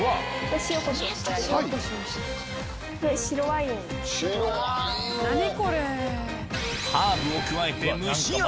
白ワインを！